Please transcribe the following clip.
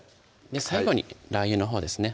最後にラー油のほうですね